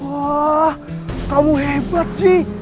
wah kamu hebat ji